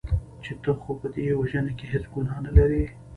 چې ته خو په دې وژنه کې هېڅ ګناه نه لرې .